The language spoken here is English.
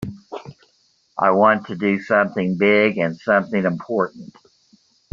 I want to do something big and something important.